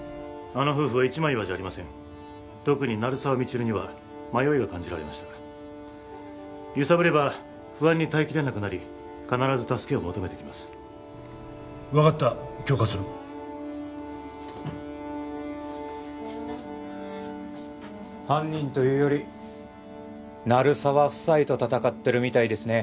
あの夫婦は一枚岩じゃありません特に鳴沢未知留には迷いが感じられました揺さぶれば不安に耐えきれなくなり必ず助けを求めてきます分かった許可する犯人というより鳴沢夫妻と戦ってるみたいですね